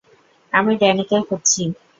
আমি ড্যানিকে খুঁজছি।